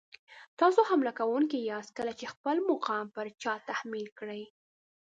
تاسو حمله کوونکي یاست کله چې خپل مقام پر چا تحمیل کړئ.